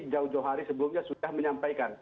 jauh johari sebelumnya sudah menyampaikan